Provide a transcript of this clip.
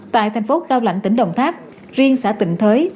tại thành phố cao lãnh tỉnh đồng tháp riêng xã tịnh thới